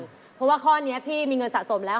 เพราะว่าข้อนี้พี่มีเงินสะสมแล้ว